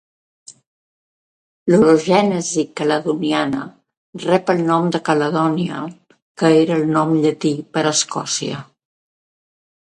L'orogènesi caledoniana rep el nom de Caledònia, que era el nom llatí per Escòcia.